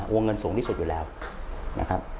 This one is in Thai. วงเงินสูงที่สุดอยู่แล้วนะครับ